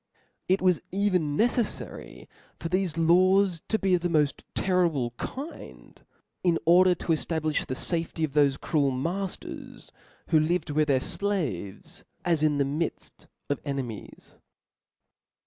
It was even neceflary for thefe la^s to be of the mod terrible kind, in order to efta blilh the fafety of thofe cruel matters, who lived with their flaves as in the midtt of enemies.